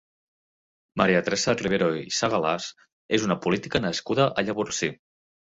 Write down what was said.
Maria Teresa Rivero i Segalàs és una política nascuda a Llavorsí.